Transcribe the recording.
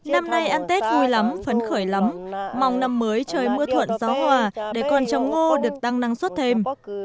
năm nay ăn tết vui lắm phấn khởi lắm mong năm mới trời mưa thuận gió hòa để con trồng ngô được tăng năng suất thêm